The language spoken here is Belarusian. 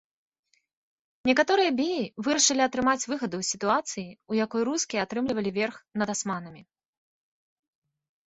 Некаторыя беі вырашылі атрымаць выгаду ў сітуацыі, у якой рускія атрымлівалі верх над асманамі.